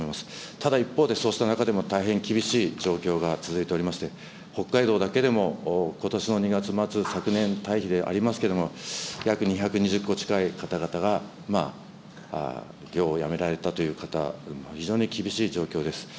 ただ一方で、そうした中でも大変厳しい状況が続いておりまして、北海道だけでもことしの２月末、昨年対比でありますけれども、約２２０戸近い方々が、業をやめられたという方、非常に厳しい状況です。